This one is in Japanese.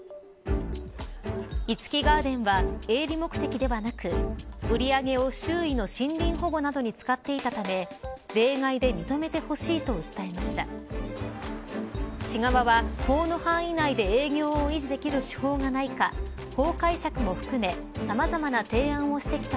樹ガーデンは営利目的ではなく売上を周囲の森林保護などに使っていたため例外で認めてほしいと訴えました。